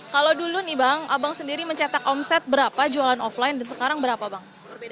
kalau dulu nih bang abang sendiri mencetak omset berapa jualan offline dan sekarang berapa bang